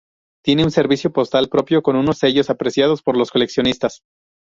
Tiene un servicio postal propio con unos sellos apreciados por los coleccionistas.